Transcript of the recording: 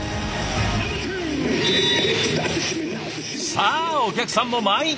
さあお客さんも満員！